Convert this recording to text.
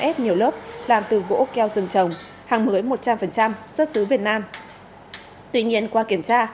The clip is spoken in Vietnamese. ép nhiều lớp làm từ gỗ keo rừng trồng hàng mới một trăm linh xuất xứ việt nam tuy nhiên qua kiểm tra